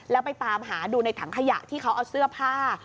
แล้วไปตามหาดูในถังขยะที่เขาเอาเสื้อผ้า